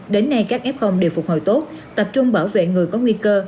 đến nay các f đều phục hồi tốt tập trung bảo vệ người có nguy cơ